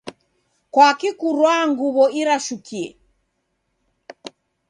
Kwaki kurwaa nguw'o irashukie?